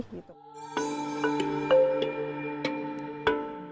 indonesia merupakan negara yang berbentuk